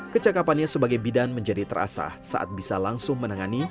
kecakapannya sebagai bidan menjadi terasa saat bisa langsung menangani